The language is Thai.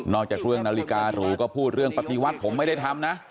จากเรื่องนาฬิการูก็พูดเรื่องปฏิวัติผมไม่ได้ทำนะ